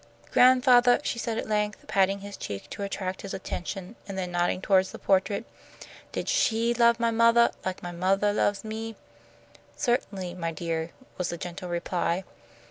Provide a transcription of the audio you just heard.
"Gran'fathah," she said at length, patting his cheek to attract his attention, and then nodding toward the portrait, "did she love my mothah like my mothah loves me?" "Certainly, my dear," was the gentle reply.